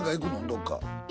どっか。